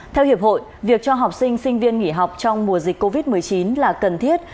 theo hiệp hội việc cho học sinh sinh viên nghỉ học trong mùa dịch covid một mươi chín là cần thiết